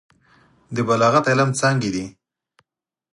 د بلاغت علم څانګې دي.